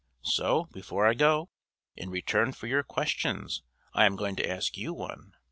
So before I go, in return for your questions I am going to ask you one.